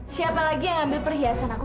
siapa lagi yang ambil perhiasan aku